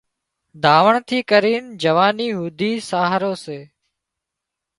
ڌاوڻ ٿِي ڪرينَ جوانِي هوڌي سهارو سي